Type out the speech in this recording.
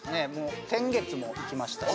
先月も行きましたし。